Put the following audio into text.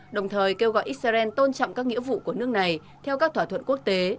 đồng thời kêu gọi israel tôn trọng các nghĩa vụ của nước này theo các thỏa thuận quốc tế